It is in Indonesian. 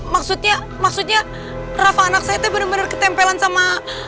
maksudnya maksudnya rafa anak saya itu benar benar ketempelan sama